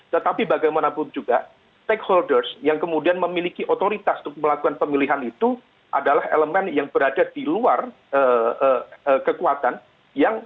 tetapi bagaimanapun juga stakeholders yang kemudian memiliki otoritas untuk melakukan pemilihan itu adalah elemen yang berada di luar kekuatan yang